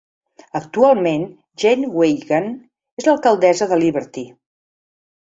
Actualment, Jane Weigand és l'alcaldessa de Liberty.